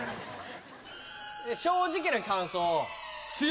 正直な感想。